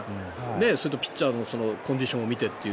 それとピッチャーのコンディションを見てと。